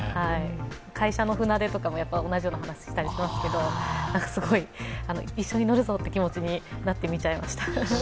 会社の船出とかも同じような話したりしてますけどすごい、一緒に乗るぞという気持ちになって見ちゃいました。